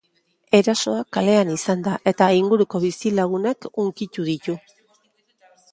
Erasoa kalean izan da, eta inguruko bizilagunak hunkitu ditu.